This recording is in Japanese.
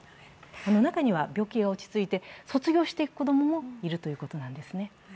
中には病気が落ち着いて卒業していく子供もいるということなんですね。